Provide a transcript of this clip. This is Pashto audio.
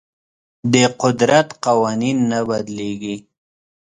د قدرت قوانین نه بدلیږي.